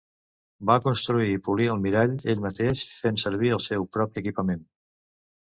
Va construir i polir el mirall ell mateix fent servir el seu propi equipament.